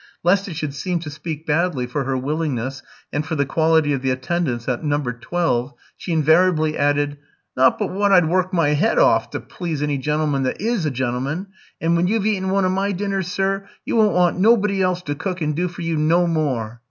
Lest it should seem to speak badly for her willingness and for the quality of the attendance at No. 12, she invariably added, "Not but wot I'd work my 'ead orf to please any gentleman that is a gentleman; and when you've eaten one of my dinners, sir, you won't want nobody else to cook and do for you no more."